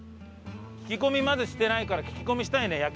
聞き込みまずしてないから聞き込みしたいね。